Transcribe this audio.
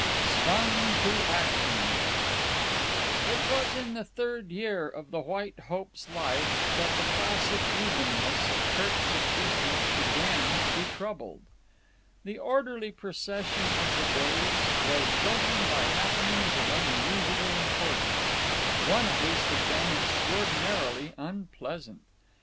Stung to Action It was in the third year of the White Hope's life that the placid evenness of Kirk's existence began to be troubled. The orderly procession of the days was broken by happenings of unusual importance, one at least of them extraordinarily unpleasant.